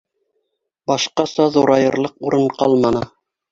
Башҡаса ҙурайырлыҡ урын ҡалманы.